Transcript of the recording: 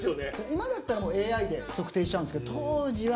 今だったらもうＡＩで測定しちゃうんですけど当時は。